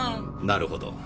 なるほど。